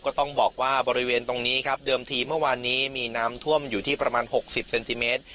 ก็ต้องบอกว่าบริเวณตรงนี้ครับเดิมทีเมื่อวานนี้มีน้ำท่วมอยู่ที่ประมาณ๖๐เซนติเมตร